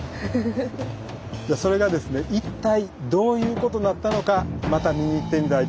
じゃそれがですね一体どういうことだったのかまた見に行ってみたいと思います。